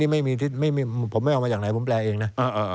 ผมไม่เอามาจากไหนผมแปลเองนะ